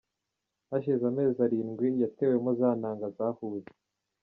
Hashize amezi arindwi, yatewemo za ntanga zahujwe.